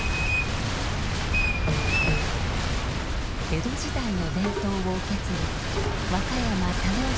江戸時代の伝統を受け継ぐ若山胤雄